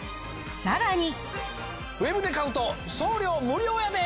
さらに。